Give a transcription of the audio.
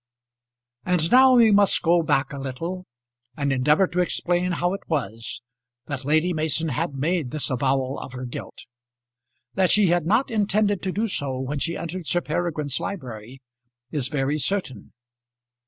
And now we must go back a little and endeavour to explain how it was that Lady Mason had made this avowal of her guilt. That she had not intended to do so when she entered Sir Peregrine's library is very certain.